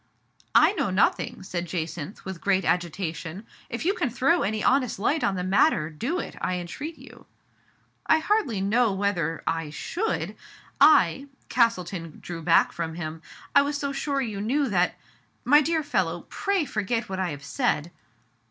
''" I know nothing," said Jacynth, with great agitation. " If you can throw any honest light on the matter, do it, I entreat you." " I hardly know whether I should. I "— Castle ton drew back from him —" I was so sure you knew Digitized by Google iSo THE FATE OP FMNELLA. that my dear fellow, pray forget what I have said."